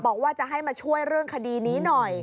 บอกว่าจะให้มาช่วยเรื่องคดีนี้หน่อย